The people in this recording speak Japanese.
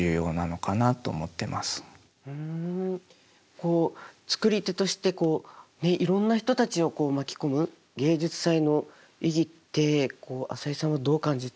こう作り手としていろんな人たちを巻き込む芸術祭の意義って淺井さんはどう感じていますか？